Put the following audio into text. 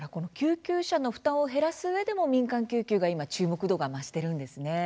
救急車の負担を減らすうえでも民間救急は注目度は今増しているんですね。